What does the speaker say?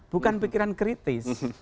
bukan pikiran kritis